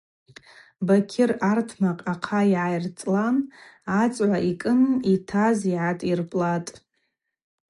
Бакьыр артмакъ ахъа гӏайыртӏлатӏ, ацӏгӏва йкӏын йтаз гӏатйырпӏлатӏ.